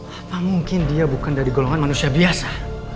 apa mungkin dia bukan dari golongan manusia biasa